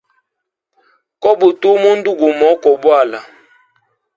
Kobutuwa mundu gumo kowa bwala.